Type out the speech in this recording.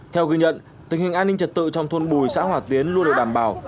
theo ghi nhận tình hình an ninh trật tự trong thôn bùi xã hòa tiến luôn được đảm bảo